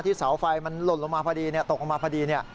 ที่สาวไฟมันลดลงมาพอดีตกลงมาพอดี